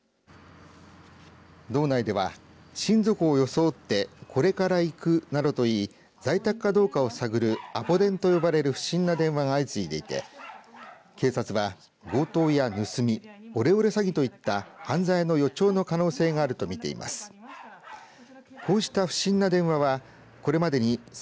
道内では親族を装ってこれから行く、などと言い在宅かどうかを探るアポ電と呼ばれる不審な電話が相次いでいて警察は、強盗や盗みオレオレ詐欺といった犯罪の予兆の可能性があるとみています。